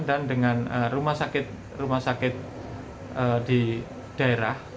dan dengan rumah sakit di daerah